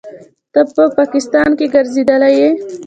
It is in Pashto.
ته په پاکستان کښې ګرځېدلى يې.